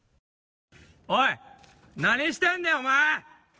おい、何してんねん、お前！